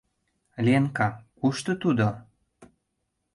— Ленка, кушто тудо?